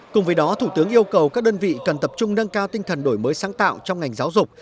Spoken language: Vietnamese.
cùng với đó thủ tướng yêu cầu các đơn vị cần tập trung nâng cao tinh thần đổi mới sáng tạo trong ngành giáo dục